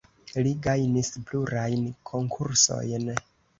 Li gajnis plurajn konkursojn.